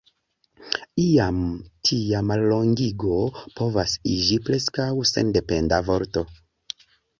Iam tia mallongigo povas iĝi preskaŭ sendependa vorto.